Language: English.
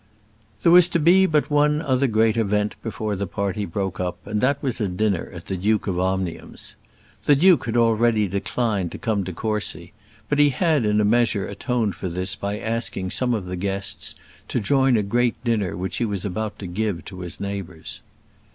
There was to be but one other great event before the party broke up, and that was a dinner at the Duke of Omnium's. The duke had already declined to come to Courcy; but he had in a measure atoned for this by asking some of the guests to join a great dinner which he was about to give to his neighbours.